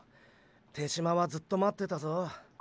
手嶋はずっと待ってたぞ。